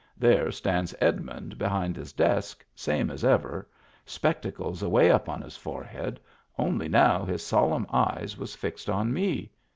There stands Edmund behind his desk, same as ever, spec tacles away up on his forehead, only now his solemn eyes was fixed on me.